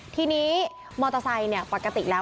ทีนี้มอเตอร์ไซค์ปกติแล้ว